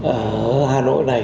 ở hà nội này